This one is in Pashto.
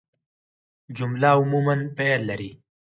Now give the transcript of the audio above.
جمله عموماً فعل لري.